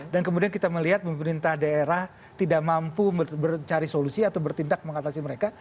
dan kemudian kita melihat pemerintah daerah tidak mampu mencari solusi atau bertindak mengatasi mereka